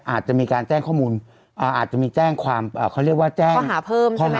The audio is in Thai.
อาจจะมีการแจ้งข้อมูลอาจจะมีแจ้งความเขาเรียกว่าแจ้งข้อหาเพิ่มแค่นั้น